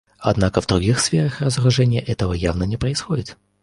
Однако в других сферах разоружения этого явно не происходит.